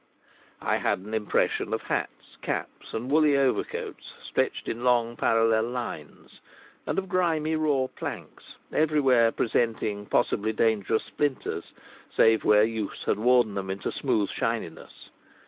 I had an impression of hats, caps, and woolly overcoats stretched in long parallel lines, and of grimy raw planks everywhere presenting possibly dangerous splinters, save where use had worn them into smooth shininess.